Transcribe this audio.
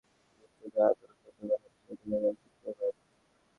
একই সঙ্গে তিনি ছিলেন কুখ্যাত গুপ্তঘাতক আলবদর বাহিনীর চট্টগ্রাম অঞ্চলের প্রধান।